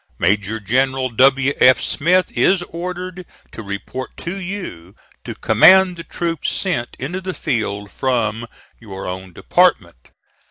Major General W. F. Smith is ordered to report to you, to command the troops sent into the field from your own department.